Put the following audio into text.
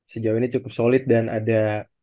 sejauh ini cukup solid dan ada